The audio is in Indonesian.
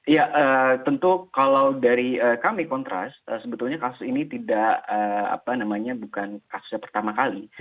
ya tentu kalau dari kami kontras sebetulnya kasus ini tidak bukan kasus yang pertama kali